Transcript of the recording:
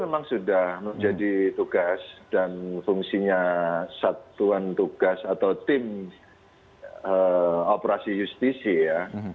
memang sudah menjadi tugas dan fungsinya satuan tugas atau tim operasi justisi ya